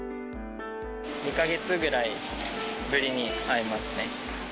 ２か月ぐらいぶりに会いますね。